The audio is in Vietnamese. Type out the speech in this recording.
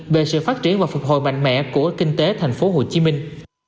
về sự phát triển và phục hồi mạnh mẽ của kinh tế thành phố hồ chí minh